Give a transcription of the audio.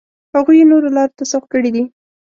هغوی یې نورو لارو ته سوق کړي دي.